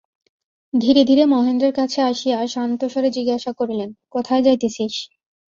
ধীরে ধীরে মহেন্দ্রের কাছে আসিয়া শান্তস্বরে জিজ্ঞাসা করিলেন, কোথায় যাইতেছিস।